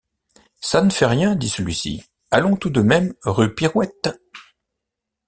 Ça ne fait rien, dit celui-ci, allons tout de même rue Pirouette.